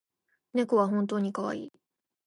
猫は本当にかわいい